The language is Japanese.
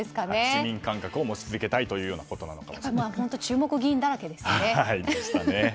市民感覚を持ち続けたいということなのかも注目議員だらけですね。